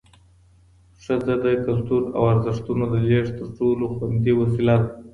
ښځه د کلتور او ارزښتونو د لېږد تر ټولو خوندي وسیله ده